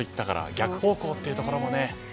逆方向というところもね。